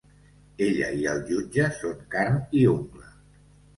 Ella i el jutge són carn i ungla.